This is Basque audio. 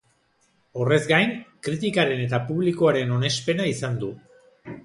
Horrez gain, kritikaren eta publikoaren onespena izan du.